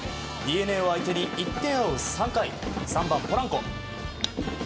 ＤｅＮＡ相手に１点を追う３回３番、ポランコ。